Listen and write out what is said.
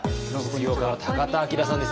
実業家の田明さんです。